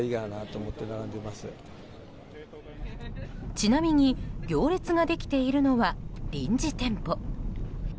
ちなみに行列ができているのは臨時店舗。